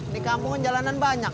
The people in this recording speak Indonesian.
di kampung jalanan banyak